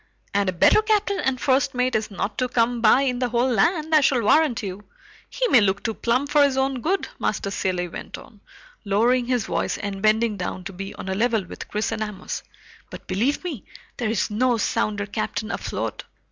"And a better captain and first mate is not come by in the whole land, I shall warrant you. He may look too plump for his own good," Master Cilley went on, lowering his voice and bending down to be on a level with Chris and Amos, "but believe me, there's no sounder captain afloat.